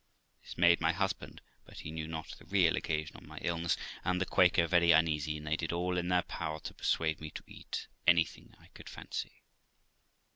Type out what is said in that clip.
This made my husband (but he knew not the real occasion of my illness) and the Quaker very uneasy, and they did all in their power to persuade me to eat anything I could fancy.